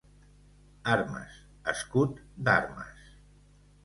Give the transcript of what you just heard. Armes, escut d'armes